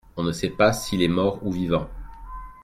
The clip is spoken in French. on ne sait pas s'il est mort ou vivant.